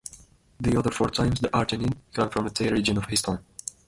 The other four times, the arginine comes from a tail region of the histone.